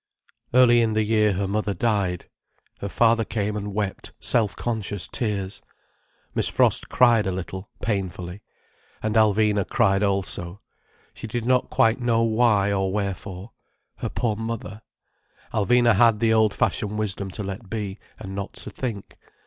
Early in the year her mother died. Her father came and wept self conscious tears, Miss Frost cried a little, painfully. And Alvina cried also: she did not quite know why or wherefore. Her poor mother! Alvina had the old fashioned wisdom to let be, and not to think.